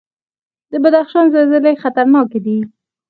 د بدخشان زلزلې خطرناکې دي